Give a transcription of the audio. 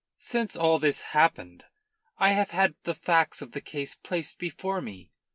"Since all this happened I have had the facts of the case placed before me.